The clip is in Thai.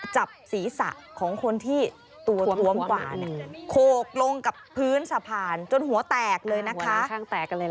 จับศีรษะของคนที่ตัวทวมกว่าเนี่ยโขกลงกับพื้นสะพานจนหัวแตกเลยนะคะ